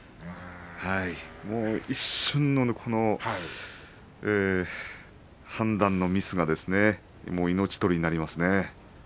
一瞬の判断のミスが命取りになりますね。